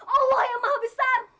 allah yang maha besar